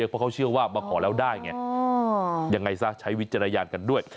เพราะเขาเชื่อว่ามาขอแล้วได้ไงยังไงซะใช้วิจารณญาณกันด้วย